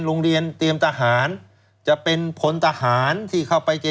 โรงเรียนเตรียมทหารจะเป็นพลทหารที่เข้าไปเตรียม